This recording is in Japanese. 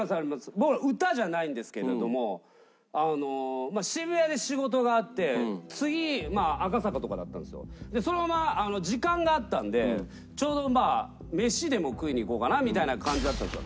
僕ら歌じゃないんですけれども渋谷で仕事があって次赤坂とかだったんですよ。そのまま時間があったんでちょうどまあ飯でも食いに行こうかなみたいな感じだったんですよ。